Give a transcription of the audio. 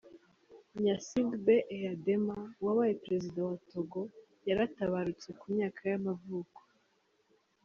Gnassingbé Eyadéma wabaye perezida wa Togo yarataabarutse, ku myaka y’amavuko.